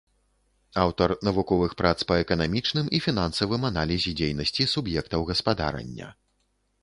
Аўтар навуковых прац па эканамічным і фінансавым аналізе дзейнасці суб'ектаў гаспадарання.